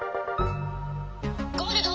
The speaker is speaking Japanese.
「ゴールド！